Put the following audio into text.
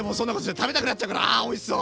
食べたくなっちゃうあおいしそう！